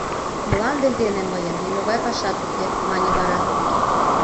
— Мланде дене мыйын нимогай пашат уке, — мане вара.